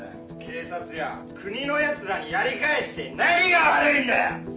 「警察や国の奴らにやり返して何が悪いんだよ！」